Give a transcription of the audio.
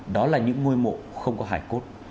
đó là những ngôi mộ không có hải cốt